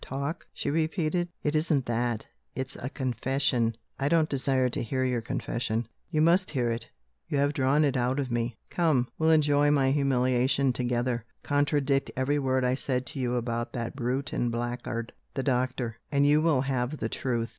"Talk?" she repeated. "It isn't that; it's a confession." "I don't desire to hear your confession." "You must hear it you have drawn it out of me. Come! we'll enjoy my humiliation together. Contradict every word I said to you about that brute and blackguard, the doctor and you will have the truth.